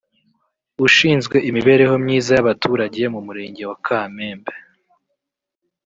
ushinzwe imibereho myiza y’abaturage mu murenge wa Kamembe